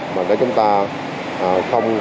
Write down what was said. mà để chúng ta không bị